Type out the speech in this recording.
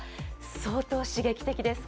相当、刺激的です。